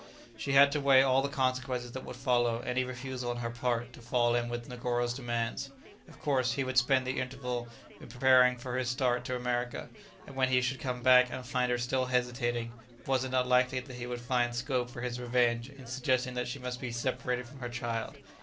She had to weigh all the consequences that would follow any refusal on her part to fall in with Negoro's demands. Of course, he would spend the interval in preparing for his start to America, and when he should come back and find her still hesitating, was it not likely that he would find scope for his revenge in suggesting that she must be separated from her child.